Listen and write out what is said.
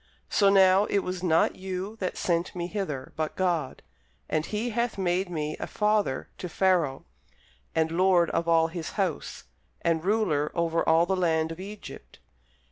So now it was not you that sent me hither, but God: and he hath made me a father to Pharaoh, and lord of all his house, and ruler over all the land of Egypt.